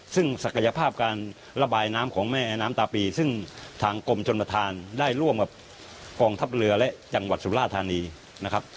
ซึ่งศักยภาพการระบายน้ำของแม่แอน้ำตาปีซึ่งทางกรมชนประธานได้ร่วมกับกองทัพเรือและจังหวัดสุราธานีนะครับ